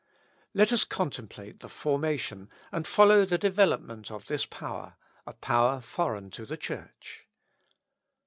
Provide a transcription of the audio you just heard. Let us contemplate the formation, and follow the development of this power a power foreign to the Church.